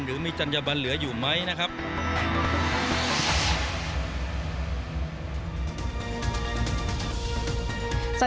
เพราะฉะนั้นสิ่งเหล่านี้อาจจะได้ให้มธรรมศาสตร์